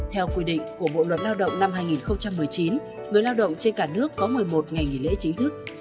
theo quy định của bộ luật lao động năm hai nghìn một mươi chín người lao động trên cả nước có một mươi một ngày nghỉ lễ chính thức